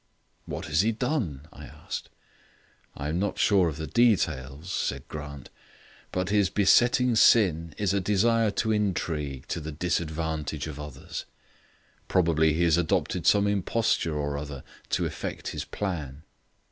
"What has he done?" I asked. "I am not sure of the details," said Grant, "but his besetting sin is a desire to intrigue to the disadvantage of others. Probably he has adopted some imposture or other to effect his plan."